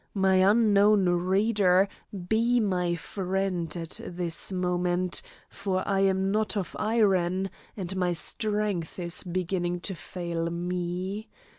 My unknown reader, be my friend at this moment, for I am not of iron, and my strength is beginning to fail me.